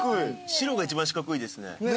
白が一番四角いですね。